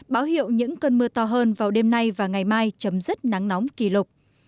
báo hiệu những cơn mưa to hơn vào đêm nay và ngày mai chấm dứt nắng nóng kỷ lục